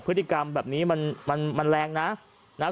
พฤติกรรมแบบนี้มันมันแรงนะนะ